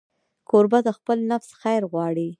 کوربه د خپل نفس خیر غواړي.